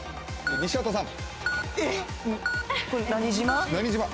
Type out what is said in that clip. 西畑さん。